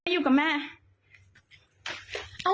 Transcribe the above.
ไม่ไม่เป็นไรไม่ได้